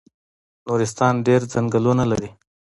نورستان ډیر ځنګلونه لري